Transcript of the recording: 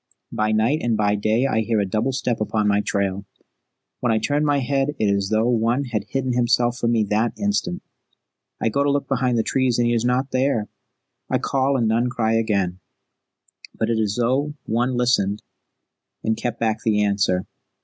By night and by day I hear a double step upon my trail. When I turn my head it is as though one had hidden himself from me that instant. I go to look behind the trees and he is not there. I call and none cry again; but it is as though one listened and kept back the answer.